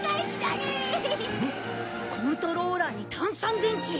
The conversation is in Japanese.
「コントローラーに単３電池」。